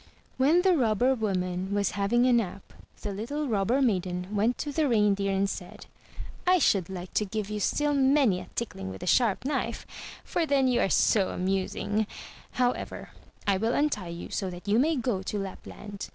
*' When the Robber woman was having a nap, the little Rob ber maiden went to the Reindeer and said, " I should like to give you still many a tickling with the sharp knife, for then you are so amusing; however, I will untie you so that you may go to Lapland.